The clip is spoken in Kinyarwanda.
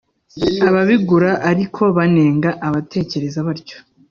Ababigura ariko banenga abatekereza batyo